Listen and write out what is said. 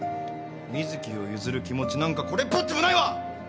瑞稀を譲る気持ちなんかこれっぽっちもないわ！